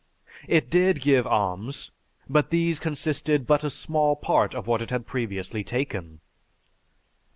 It did give alms but these constituted but a small part of what it had previously taken.